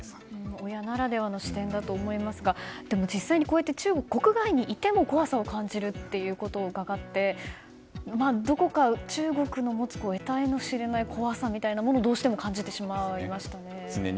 親ならではの視点だと思いますがでも実際にこうやって中国国外にいても怖さを感じると伺ってどこか中国の持つ得体の知れない怖さみたいなものをどうしても感じてしまいましたね。